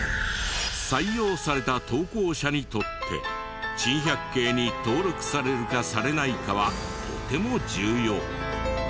採用された投稿者にとって珍百景に登録されるかされないかはとても重要。